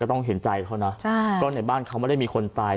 ต้องเห็นใจเขานะใช่ก็ในบ้านเขาไม่ได้มีคนตาย